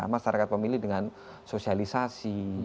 masyarakat pemilih dengan sosialisasi